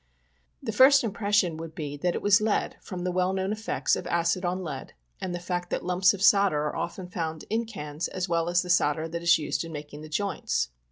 The first impression would be that it was lead, from the well known effects of acid on lead, and the fact that lumps of solder are often found in cans as well as the solder that is used in making the joints.